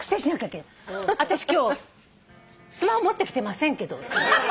私今日スマホ持ってきてませんけど。